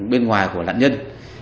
bên ngoài của lãnh nhân